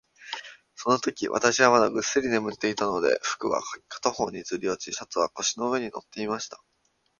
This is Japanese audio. そのとき、私はまだぐっすり眠っていたので、服は片方にずり落ち、シャツは腰の上に載っていました。